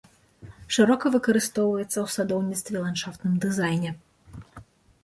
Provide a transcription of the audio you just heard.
Шырока выкарыстоўваецца ў садоўніцтве і ландшафтным дызайне.